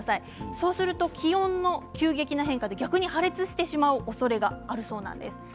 そうすると気温の急激な変化で破裂してしまうおそれがあるんです。